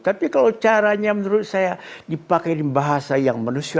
tapi kalau caranya menurut saya dipakai di bahasa yang manusia